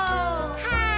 はい！